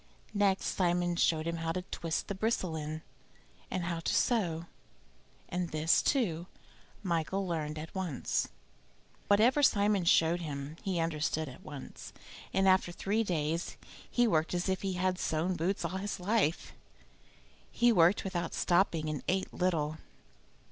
Next Simon showed him how to twist the bristle in, and how to sew, and this, too, Michael learned at once. Whatever Simon showed him he understood at once, and after three days he worked as if he had sewn boots all his life. He worked without stopping, and ate little.